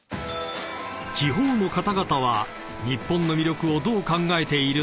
［地方の方々は日本の魅力をどう考えているのか？］